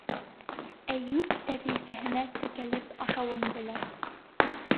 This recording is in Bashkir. Әйүп тәрилкәһенә текәлеп ашауын белә.